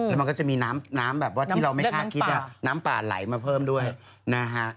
แล้วมันก็จะมีน้ำน้ำแบบว่าที่เราไม่คาดคิดว่าน้ำป่าไหลมาเพิ่มด้วยนะฮะ